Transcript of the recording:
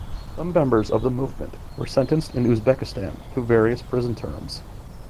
Some members of the movement were sentenced in Uzbekistan to various prison terms.